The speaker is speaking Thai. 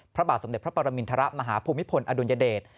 พระบาทสมเด็จพระปรมินทรมาฮภูมิพลอดุลยเดช